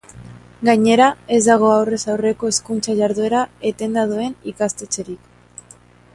Gainera, ez dago aurrez aurreko hezkuntza-jarduera etenda duen ikastetxerik.